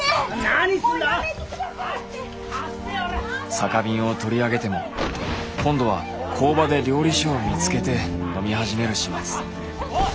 酒瓶を取り上げても今度は工場で料理酒を見つけて飲み始める始末。